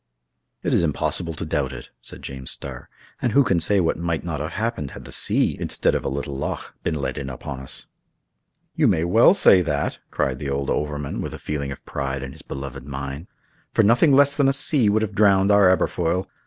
"It is impossible to doubt it," said James Starr; "and who can say what might not have happened had the sea, instead of a little loch, been let in upon us?" "You may well say that," cried the old overman, with a feeling of pride in his beloved mine; "for nothing less than a sea would have drowned our Aberfoyle.